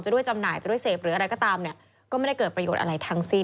ด้วยจำหน่ายจะด้วยเสพหรืออะไรก็ตามเนี่ยก็ไม่ได้เกิดประโยชน์อะไรทั้งสิ้น